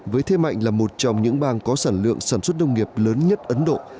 với thế mạnh là một trong những bang có sản lượng sản xuất nông nghiệp lớn nhất ấn độ